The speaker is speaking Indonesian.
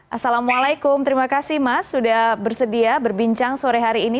assalamualaikum terima kasih mas sudah bersedia berbincang sore hari ini